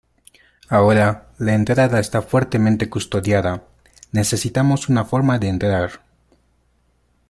Ahora, la entrada está fuertemente custodiada. Necesitamos una forma de entrar .